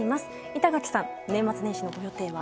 板垣さん、年末年始のご予定は？